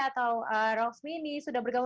atau rosmini sudah bergabung